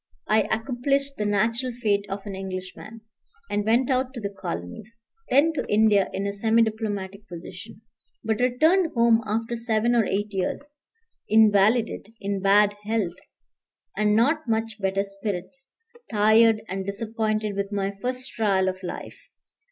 I accomplished the natural fate of an Englishman, and went out to the Colonies; then to India in a semi diplomatic position; but returned home after seven or eight years, invalided, in bad health and not much better spirits, tired and disappointed with my first trial of life.